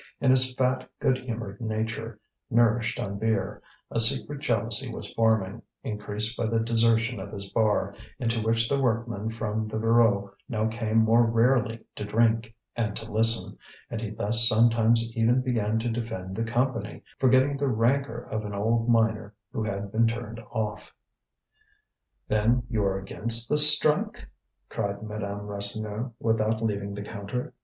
In his fat, good humoured nature, nourished on beer, a secret jealousy was forming, increased by the desertion of his bar, into which the workmen from the Voreux now came more rarely to drink and to listen; and he thus sometimes even began to defend the Company, forgetting the rancour of an old miner who had been turned off. "Then you are against the strike?" cried Madame Rasseneur, without leaving the counter.